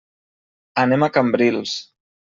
Anem a Cambrils.